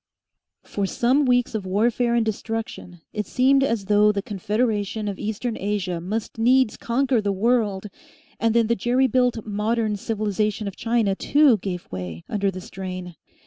For some weeks of warfare and destruction it seemed as though the Confederation of Eastern Asia must needs conquer the world, and then the jerry built "modern" civilisation of China too gave way under the strain.